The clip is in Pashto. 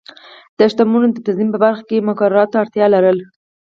د شتمنیو د تنظیم په برخه کې مقرراتو ته اړتیا لرله.